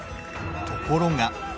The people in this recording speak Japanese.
ところが。